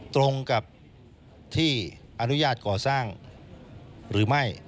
ตรงกับที่อนุญาตก่อสร้างหรือไม่